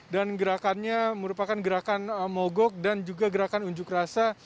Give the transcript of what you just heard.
dan gerakannya merupakan gerakan mogok dan juga gerakan unjuk rasa